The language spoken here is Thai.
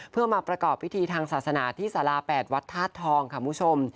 เพื่อมาประกอบพิธีทางศาสนาที่สารา๘วัดธาตุทองค่ะคุณผู้ชม